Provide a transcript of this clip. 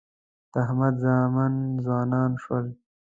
د احمد زامن ځوانان شول.